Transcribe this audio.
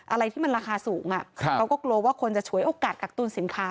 อะไรที่มันราคาสูงเขาก็กลัวว่าคนจะฉวยโอกาสกักตุลสินค้า